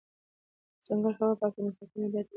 ځنګل هوا پاکوي، نو ساتنه یې بایدوشي